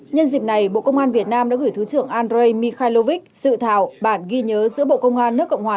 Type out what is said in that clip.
nhân dịp này bộ công an việt nam đã gửi thứ trưởng andrei mikhailovich dự thảo bản ghi nhớ giữa bộ công an nước cộng hòa